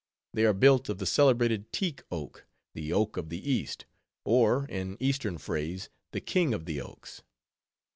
They are built of the celebrated teak wood, the oak of the East, or in Eastern phrase, _"the King of the Oaks."